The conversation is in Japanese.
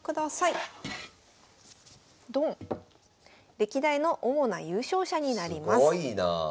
歴代の主な優勝者になります。